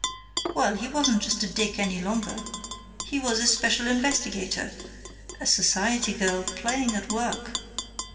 Well, he wasn't just a dick any longer. He was a Special Investigator ... A society girl, playing at work....